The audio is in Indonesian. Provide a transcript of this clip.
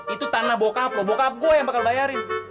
itu tanah bokap lo bokap gue yang bakal bayarin